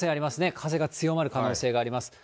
風が強まる可能性があります。